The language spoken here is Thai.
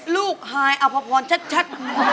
ลูกหายอภพรชัด